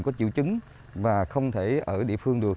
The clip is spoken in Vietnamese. có triệu chứng và không thể ở địa phương được